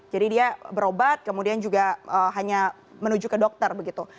jadi dia berobat kemudian juga hanya menuju ke dokter begitu